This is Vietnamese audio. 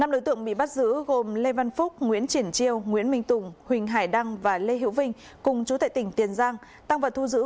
năm đối tượng bị bắt giữ gồm lê văn phúc nguyễn triển triều nguyễn minh tùng huỳnh hải đăng và lê hữu vinh cùng chú tại tỉnh tiền giang tăng vật thu giữ